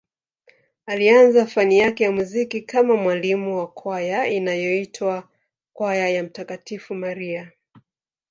Alianza fani yake ya muziki kama mwalimu wa kwaya inayoitwa kwaya ya mtakatifu Maria